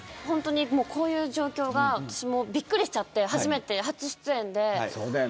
本当に、こういう状況が私も、びっくりしちゃって初出演で。